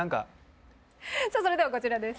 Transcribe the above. さあそれではこちらです。